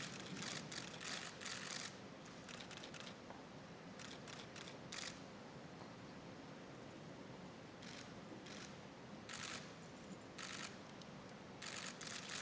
kepada komisaris jenderal polisi dr andos listio sigit pradu msi sebagai kepala kepolisian negara republik indonesia